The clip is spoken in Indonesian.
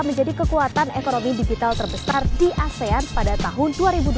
menjadi kekuatan ekonomi digital terbesar di asean pada tahun dua ribu dua puluh